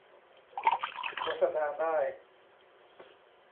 โฆษณาได้